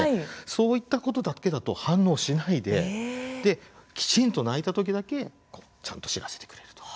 そういったことだけだと反応しないできちんと泣いたときだけちゃんと知らせてくれると。